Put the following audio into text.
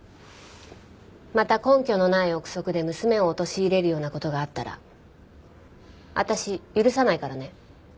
また根拠のない臆測で娘を陥れるような事があったら私許さないからね。